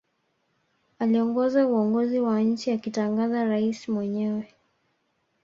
Aliongoza uongozi wa nchi akitangaza rais mwenyewe